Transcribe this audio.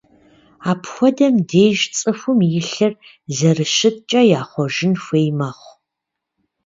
Апхуэдэхэм деж цӏыхум и лъыр зэрыщыткӏэ яхъуэжын хуей мэхъу.